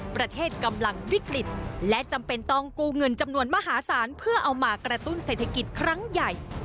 ประเทศกำลังวิกฤตและจำเป็นต้องกู้เงินจำนวนมหาศาลเพื่อเอามากระตุ้นเศรษฐกิจครั้งใหญ่